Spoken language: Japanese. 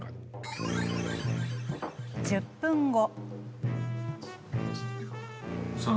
１０分後。